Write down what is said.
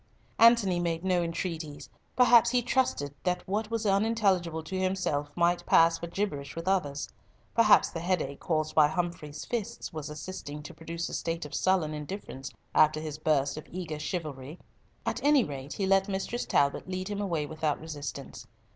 Antony made no entreaties. Perhaps he trusted that what was unintelligible to himself might pass for gibberish with others; perhaps the headache caused by Humfrey's fists was assisting to produce a state of sullen indifference after his burst of eager chivalry; at any rate he let Mistress Talbot lead him away without resistance.